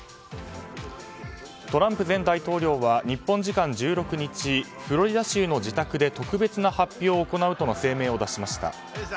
トランプ前大統領は日本時間１６日フロリダ州の自宅で特別な発表を行うとの声明を出しました。